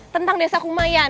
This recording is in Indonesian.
tentang desa kumayan